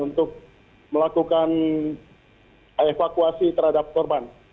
untuk melakukan evakuasi terhadap korban